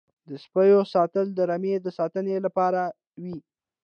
د سپیو ساتل د رمې د ساتنې لپاره وي.